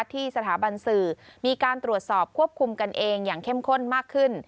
ที่สถาบันสื่อมีการตรวจสอบควบคุมกันเองอย่างเข้มข้นมากขึ้น